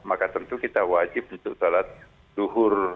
maka tentu kita wajib untuk sholat duhur